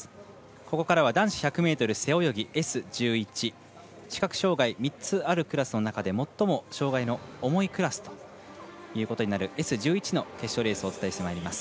ここからは男子１００ｍ背泳ぎＳ１１、視覚障がい３つあるクラスの中で最も障がいの重いクラスということになるＳ１１の決勝レースをお伝えしてまいります。